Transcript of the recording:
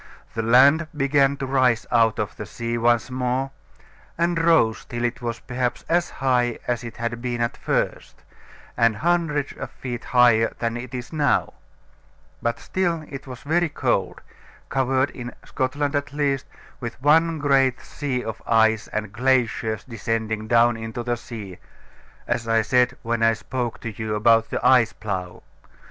The land began to rise out of the sea once more, and rose till it was perhaps as high as it had been at first, and hundreds of feet higher than it is now: but still it was very cold, covered, in Scotland at least, with one great sea of ice and glaciers descending down into the sea, as I said when I spoke to you about the Ice Plough.